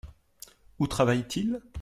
Où travaille-t-il ?